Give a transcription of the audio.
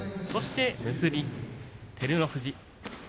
そして結びの照ノ富士。